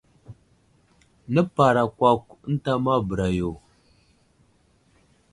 Nəparakwakw ənta ma bəra yo.